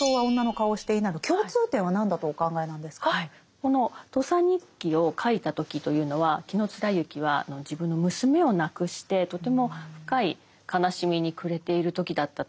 この「土佐日記」を書いた時というのは紀貫之は自分の娘を亡くしてとても深い悲しみに暮れている時だったといわれているんですね。